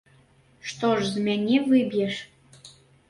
Што ж з мяне выб'еш?